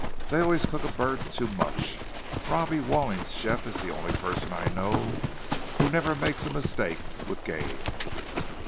—They always cook a bird too much—Robbie Walling's chef is the only person I know who never makes a mistake with game."